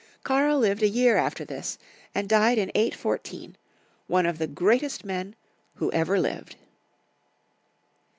Karl lived a year after this, and died in 814, one of the greatest men who ever lived.